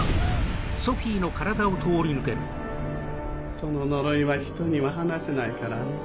その呪いはひとには話せないからね。